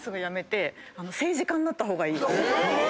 え⁉